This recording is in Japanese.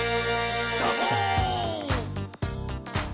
「サボーン！」